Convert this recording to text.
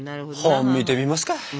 本見てみますか。